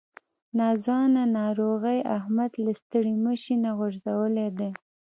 ناځوانه ناروغۍ احمد له ستړي مشي نه غورځولی دی.